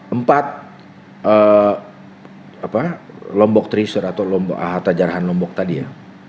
empat lombok tresor atau harta jarahan lombok tadi ya